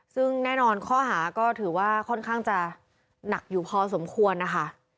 ซึ่งแน่นอนข้อหาก็ถือว่าค่อนข้างจะหนักอยู่พอสมควรนะคะ